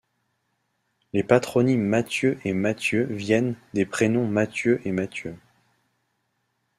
Les patronyme Mathieu et Matthieu viennent des prénoms Mathieu et Matthieu.